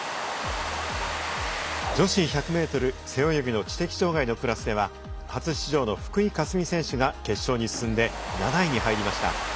女子１００ｍ背泳ぎの知的障がいのクラスでは初出場の福井香澄選手が決勝に進んで７位に入りました。